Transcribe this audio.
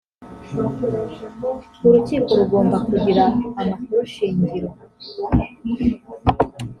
urukiko rugomba kugira amakuru shingiro